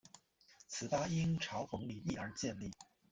此吧因嘲讽李毅而建立。